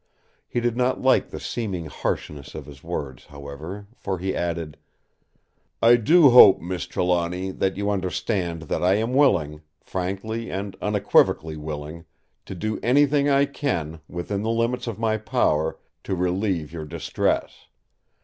He did not like the seeming harshness of his words, however, for he added: "I do hope, Miss Trelawny, that you understand that I am willing—frankly and unequivocally willing—to do anything I can, within the limits of my power, to relieve your distress.